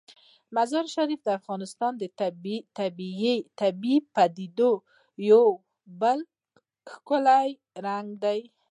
مزارشریف د افغانستان د طبیعي پدیدو یو بل ښکلی رنګ دی.